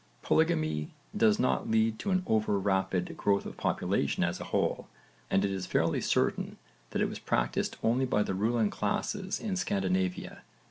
Polygamy does not lead to an over rapid growth of population as a whole, and it is fairly certain that it was practised only by the ruling classes in Scandinavia.